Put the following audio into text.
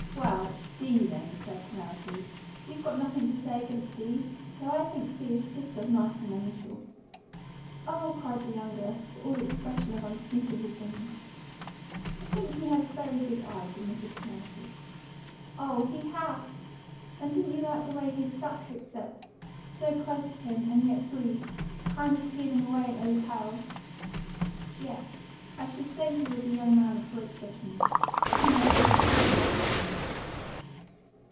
"Well, D., then," said Penelope. "You've nothing to say against D.? Though I think C. is just as nice an initial." "Oh!" cried the younger, for all expression of unspeakable things. "I think he has very good eyes," admitted Penelope. "Oh, he HAS! And didn't you like the way his sackcoat set? So close to him, and yet free kind of peeling away at the lapels?" "Yes, I should say he was a young man of great judgment. He knows how to choose his tailor."